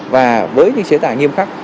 và với những chế tài nghiêm khắc